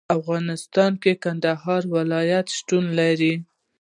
په افغانستان کې د کندهار ولایت شتون لري.